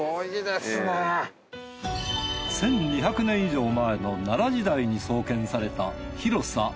１２００年以上前の奈良時代に創建された広さ